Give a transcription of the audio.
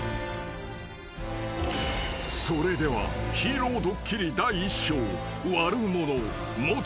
［それではヒーロードッキリ第１章］